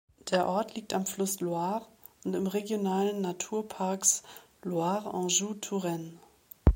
Der Ort liegt am Fluss Loire und im Regionalen Naturparks Loire-Anjou-Touraine.